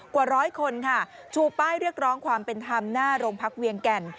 กว่าร้อยคนค่ะชูป้ายเรียกร้องความเป็นธรรมหน้าโรงพักเวียงแก่น